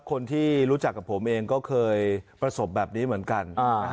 คนที่รู้จักกับผมเองก็เคยประสบแบบนี้เหมือนกัน